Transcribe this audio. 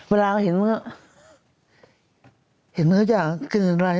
เวลาก็เห็นเห็นแล้วอยากกินอะไร